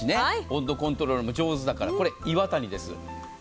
温度コントロールも上手だから岩谷です。